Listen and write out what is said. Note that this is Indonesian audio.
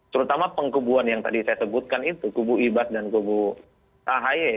terutama pengkubuan yang tadi saya sebutkan itu kubu ibas dan kubu ahy